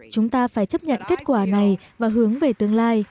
chúng ta phải chấp nhận kết quả này và hướng về tương lai